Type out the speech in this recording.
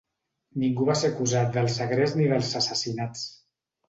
Ningú va ser acusat del segrest ni dels assassinats.